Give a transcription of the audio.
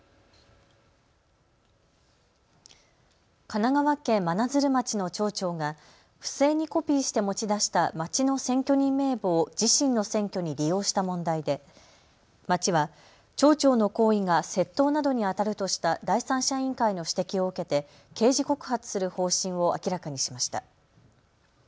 神奈川県真鶴町の町長が不正にコピーして持ち出した町の選挙人名簿を自身の選挙に利用した問題で町は町長の行為が窃盗などにあたるとした第三者委員会の指摘を受けて刑事告発する方針を明らかにしました。